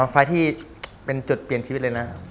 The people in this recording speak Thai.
ไฟล์ที่เป็นจุดเปลี่ยนชีวิตเลยนะ